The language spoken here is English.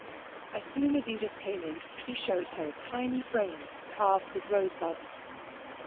As soon as Edith came in he showed her a tiny frame carved with rosebuds.